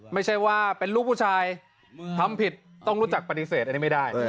ไม่ใช่ว่าเป็นลูกผู้ชายทำผิดต้องรู้จักปฏิเสธอันนี้ไม่ได้